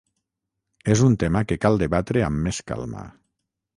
És un tema que cal debatre amb més calma.